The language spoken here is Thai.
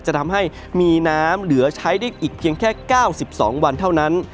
จะทำให้มีน้ำเหลือใช้ได้อีกเพียงแค่๙๒วันเท่านั้น